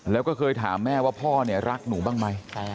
แล้วก็เคยถามแม่ว่าพ่อเนี่ยรักหนูบ้างไหม